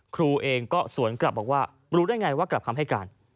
ครูเองก็สวนกลับบอกว่ารู้ได้ไงว่ากลับคำให้การ